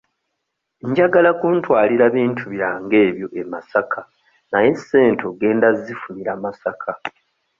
Njagala kuntwalira bintu byange ebyo e Masaka naye ssente ogenda zzifunira Masaka.